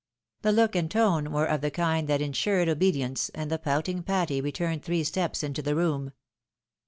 The look and tone were of the kind that insured obedience, and the pouting Patty returned three steps into the room.